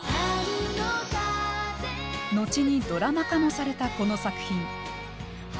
後にドラマ化もされたこの作品。